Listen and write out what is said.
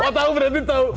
mau tau berarti tau